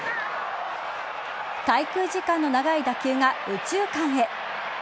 滞空時間の長い打球が右中間へ。